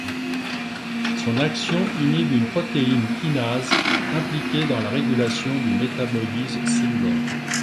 Son action inhibe une protéine kinase impliquée dans la régulation du métabolisme cellulaire.